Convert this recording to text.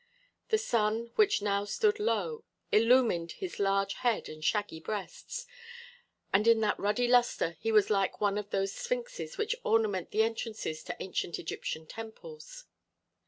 The sun, which now stood low, illumined his huge head and shaggy breasts, and in that ruddy luster he was like one of those sphinxes which ornament the entrances to ancient Egyptian temples.